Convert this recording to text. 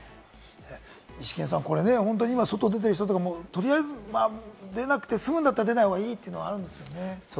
イシケンさん、今外に出ている人とか取りあえず、出なくて済むんだったら出ない方がいいというのはありますよね。